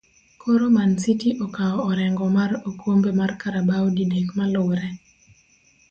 koro Mancity okao orengo mar okombe mar Carabao didek maluree